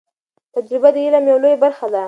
تجربه د علم یو لوی برخه ده.